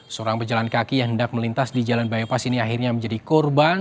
seorang pejalan kaki yang hendak melintas di jalan biopas ini akhirnya menjadi korban